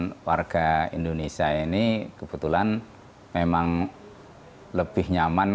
warga indonesia ini kebetulan memang lebih nyaman